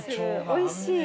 おいしい。